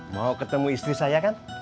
mau ketemu istri saya kan